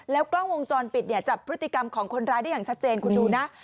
กล้องวงจรปิดเนี่ยจับพฤติกรรมของคนร้ายได้อย่างชัดเจนคุณดูนะ